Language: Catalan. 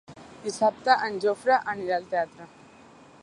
Dissabte en Jofre anirà al teatre.